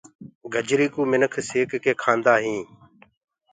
گجري ڪوُ منک سيڪ ڪي کآندآ هينٚ۔